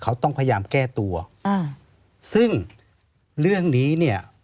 เขาต้องพยายามแก้ตัวอ่าซึ่งเรื่องนี้เนี่ย